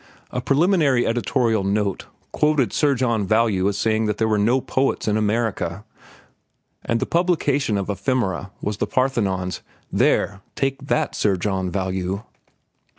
A preliminary editorial note quoted Sir John Value as saying that there were no poets in America, and the publication of "Ephemera" was The Parthenon's. "There, take that, Sir John Value!"